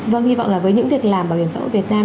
vâng hy vọng là với những việc làm bảo hiểm xã hội việt nam